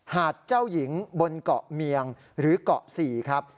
หาดเจ้าหญิงบนเกาะเมียงหรือเกาะ๔ครับ